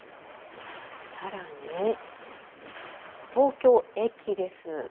更に、東京駅です。